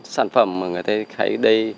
sản phẩm mà người ta thấy đây